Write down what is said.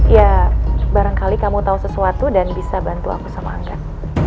ya barangkali kamu tahu sesuatu dan bisa bantu aku sama angkat